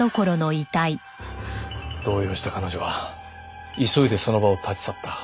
動揺した彼女は急いでその場を立ち去った。